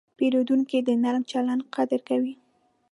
پیرودونکی د نرم چلند قدر کوي.